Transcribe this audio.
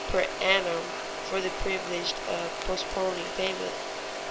per annum for the privilege of postponing payment.